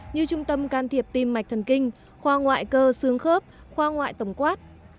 như trung tâm can thiệp tim mạch thần kinh khoa ngoại cơ xương khớp khoa ngoại tổng quát